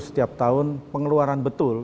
setiap tahun pengeluaran betul